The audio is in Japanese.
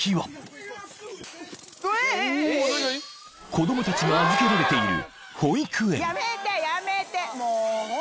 ［子供たちが預けられている］